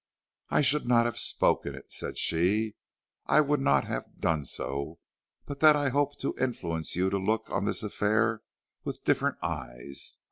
"I should not have spoken of it," said she; "I would not have done so, but that I hoped to influence you to look on this affair with different eyes.